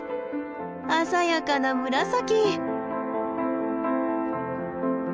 鮮やかな紫。